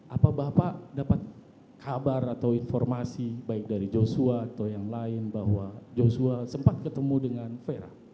apa bapak dapat kabar atau informasi baik dari joshua atau yang lain bahwa joshua sempat ketemu dengan vera